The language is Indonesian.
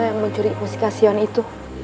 yang mencuri mustikasyon itu